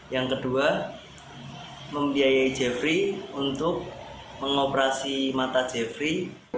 yang kedua membiayai jeffrey untuk mengoperasi mata jeffrey